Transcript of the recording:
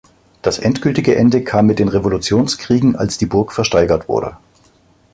Das endgültige Ende kam mit den Revolutionskriegen, als die Burg versteigert wurde.